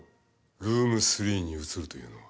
ルーム３に移るというのは。